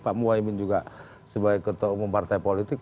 pak muhaymin juga sebagai ketua umum partai politik